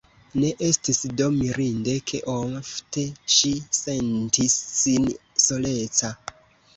Ne estis do mirinde, ke ofte ŝi sentis sin soleca.